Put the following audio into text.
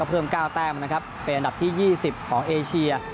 เพิ่ม๙แต้มนะครับเป็นอันดับที่๒๐ของเอเชีย